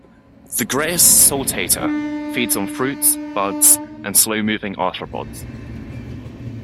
The greyish saltator feeds on fruits, buds and slow-moving arthropods.